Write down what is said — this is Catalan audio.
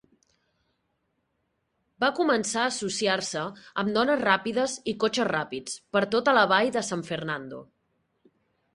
Va "començar a associar-se amb dones ràpides i cotxes ràpids per tota la vall de San Fernando".